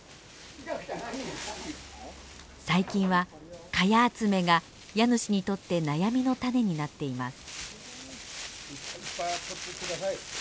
最近はカヤ集めが家主にとって悩みの種になっています。